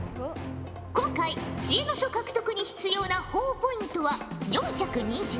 今回知恵の書獲得に必要なほぉポイントは４２０。